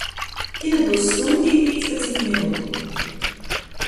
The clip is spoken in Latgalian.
Kina byus stuņdi i pīcpadsmit minutu.